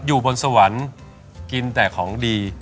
อยู่บนสวรรค์กินแต่ของดี